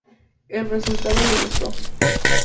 El resultado le gustó.